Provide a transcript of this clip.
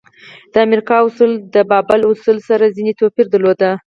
د امریکا اصول د بابل اصولو سره ځینې توپیر درلود.